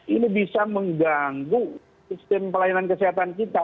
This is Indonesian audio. ini bisa mengganggu sistem pelayanan kesehatan kita